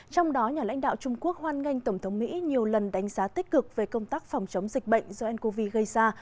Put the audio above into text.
trong đó nhà lãnh đạo trung quốc hoan nghênh tổng thống mỹ nhiều lần đánh giá tích cực về công tác phòng chống dịch bệnh do ncov gây ra